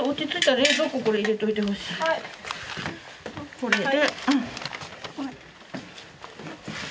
これで。